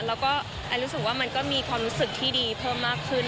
แล้วก็แอนรู้สึกว่ามันก็มีความรู้สึกที่ดีเพิ่มมากขึ้น